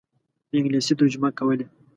په انګلیسي ترجمه کولې.